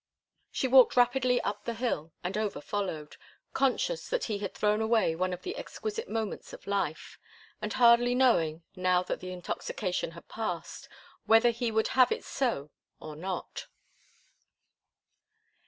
She walked rapidly up the hill, and Over followed, conscious that he had thrown away one of the exquisite moments of life, and hardly knowing, now that the intoxication had passed, whether he would have it so or not.